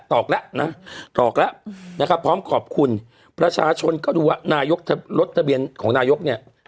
ตอกแล้วพร้อมขอบคุณประชาชนก็ดูว่านายกรถทะเบียนของนายก